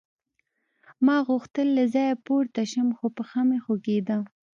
ما غوښتل له ځایه پورته شم خو پښه مې خوږېده